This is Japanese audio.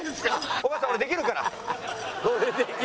尾形さん俺できるから！